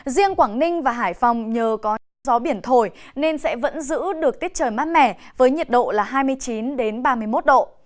riêng quảng ninh và hải phòng nhờ có nắng gió biển thổi nên sẽ vẫn giữ được tiết trời mát mẻ với nhiệt độ là hai mươi chín ba mươi một độ